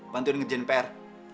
bantuin ngerjain pr